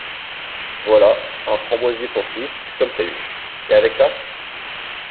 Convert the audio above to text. Voilà, un framboisier pour six, comme prévu. Et avec ça?